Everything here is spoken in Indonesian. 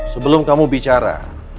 sebelum kamu bicara